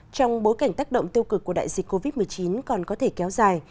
trong bối cảnh tác động tiêu cực của đại dịch covid một mươi chín còn có thể kéo dài